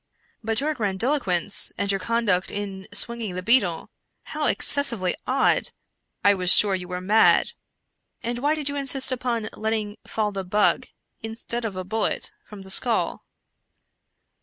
" But your grandiloquence, and your conduct in swinging the beetle — how excessively odd! I was sure you were mad. And why did you insist upon letting fall the bug, instead of a bullet, from the skull